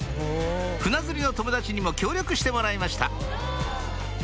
船釣りの友達にも協力してもらいました